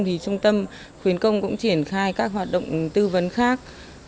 thì trung tâm khuyến công cũng triển khai các hoạt động tư vấn khác